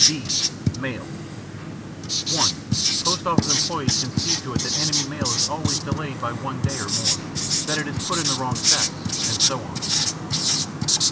(d) Mail (1) Post office employees can see to it that enemy mail is always delayed by one day or more, that it is put in wrong sacks, and so on.